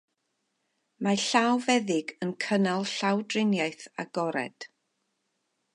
Mae llawfeddyg yn cynnal llawdriniaeth agored.